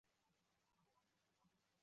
涉嫌犯罪问题已移送司法机关处理。